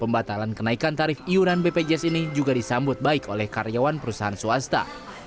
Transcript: pembatalan kenaikan tarif iuran bpjs ini juga disambut baik oleh karyawan perusahaan swasta